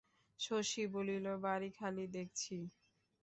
শশী বলিল, বাড়ি খালি দেখছি?